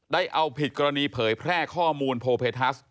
ได้เอาผิดกรณีเผยแพร่ข้อมูลโพเพทัส